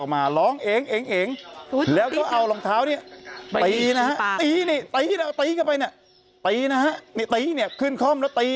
ไม่หรอกคือว่าเกินไง